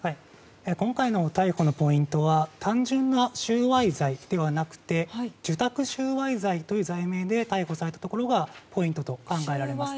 今回の逮捕のポイントは単純な収賄罪ではなくて受託収賄罪という罪名で逮捕されたところがポイントと考えられます。